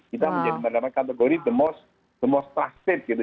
kita menjadi mendapatkan kategori the most trusted gitu